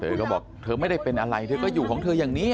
เธอก็บอกเธอไม่ได้เป็นอะไรเธอก็อยู่ของเธออย่างนี้